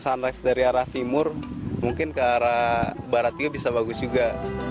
sunrise dari arah timur mungkin ke arah barat juga bisa bagus juga